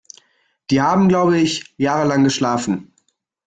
Die haben, glaube ich, jahrelang geschlafen.